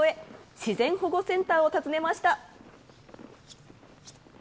自然保護センターを訪ねました。